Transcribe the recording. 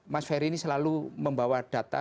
mas ferry ini selalu membawa data